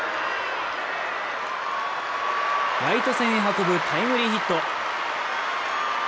ライト線へ運ぶタイムリーヒット。